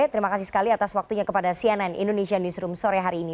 terima kasih sekali atas waktunya kepada cnn indonesia newsroom sore hari ini